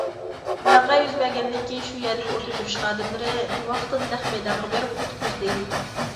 ۋەقە يۈز بەرگەندىن كېيىن، شۇ يەردىكى ئوت ئۆچۈرۈش خادىملىرى ۋاقتىدا نەق مەيدانغا بېرىپ قۇتقۇزدى.